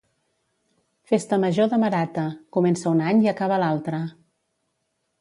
Festa Major de Marata: comença un any i acaba l'altre